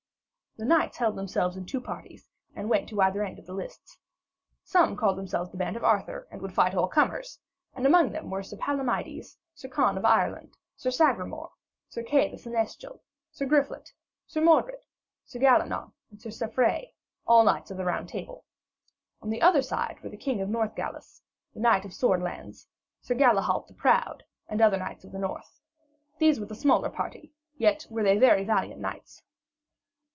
The knights held themselves in two parties and went to either end of the lists. Some called themselves the band of Arthur, and would fight all comers; and among them was Sir Palomides, Sir Conn of Ireland, Sir Sagramore, Sir Kay the seneschal, Sir Griflet, Sir Mordred, Sir Gallernon, and Sir Saffre, all knights of the Round Table. On the other side were the King of Northgales, the King of Swordlands, Sir Galahalt the Proud, and other knights of the north. These were the smaller party, yet were they very valiant knights.